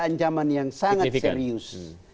ancaman yang sangat serius